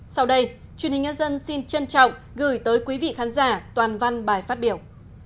sau đây truyền hình nhân dân xin trân trọng gửi tới quý vị khán giả toàn văn bài phát biểu